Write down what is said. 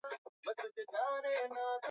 Mama naye awezi ku vuka bivuko